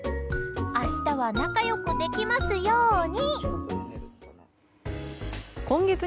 明日は仲良くできますように！